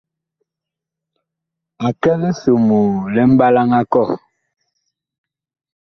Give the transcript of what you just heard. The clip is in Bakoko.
A kɛ lisomoo li mɓalaŋ a kɔh.